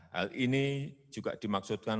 hal ini juga dimaksudkan